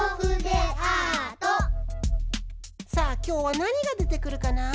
さあきょうはなにがでてくるかな？